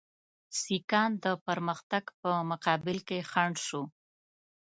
سیکهان د پرمختګ په مقابل کې خنډ شو.